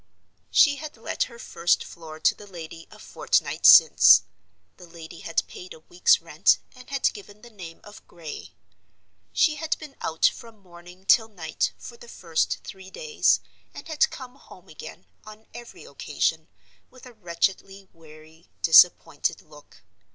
She had let her first floor to the lady a fortnight since. The lady had paid a week's rent, and had given the name of Gray. She had been out from morning till night, for the first three days, and had come home again, on every occasion, with a wretchedly weary, disappointed look.